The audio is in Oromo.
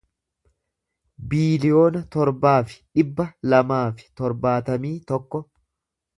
biiliyoona torbaa fi dhibba lamaa fi torbaatamii tokko